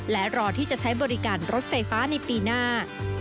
และรอที่จะใช้บริการรถไฟฟ้าในปีหน้า